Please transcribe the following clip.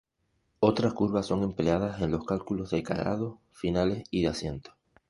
Otras curvas son empleadas en los cálculos de calados finales y de asiento.